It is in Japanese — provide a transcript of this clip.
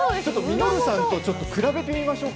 稔さんと比べてみましょう。